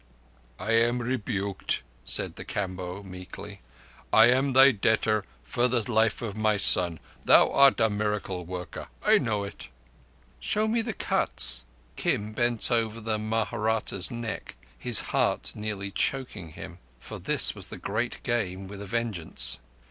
"I am rebuked," said the Kamboh meekly. "I am thy debtor for the life of my son. Thou art a miracle worker—I know it." "Show me the cuts." Kim bent over the Mahratta's neck, his heart nearly choking him; for this was the Great Game with a vengeance.